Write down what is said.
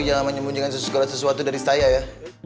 jangan menyembunyikan segala sesuatu dari saya ya